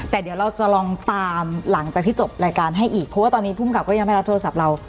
แต่เดี๋ยวเราจะลองตามหลังจากที่จบรายการให้อีกเพราะว่าตอนนี้ภูมิกับก็ยังไม่รับโทรศัพท์เรา